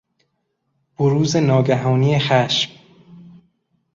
بروز ناگهانی خشم